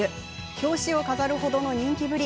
表紙を飾るほどの人気ぶり。